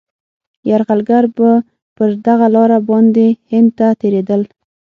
یرغلګر به پر دغه لاره باندي هند ته تېرېدل.